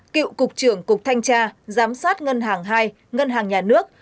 cựu cục trưởng cục thanh tra giám sát ngân hàng hai ngân hàng nhà nước